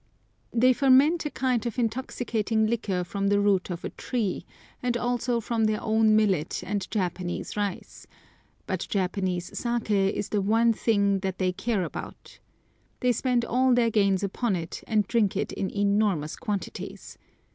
They ferment a kind of intoxicating liquor from the root of a tree, and also from their own millet and Japanese rice, but Japanese saké is the one thing that they care about. They spend all their gains upon it, and drink it in enormous quantities.